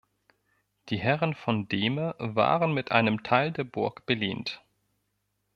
Die Herren von Dehme waren mit einem Teil der Burg belehnt.